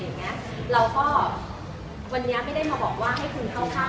แล้วอย่างเงี้ยเราก็วันเนี้ยไม่ได้มาบอกว่าให้คุณเท่าเรา